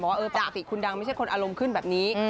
ว่าปกติคุณดังไม่ใช่คนอารมณ์ขึ้นแบบนี้